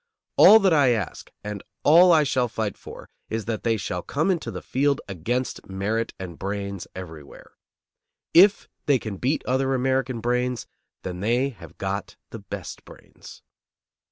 All that I ask and all I shall fight for is that they shall come into the field against merit and brains everywhere. If they can beat other American brains, then they have got the best brains.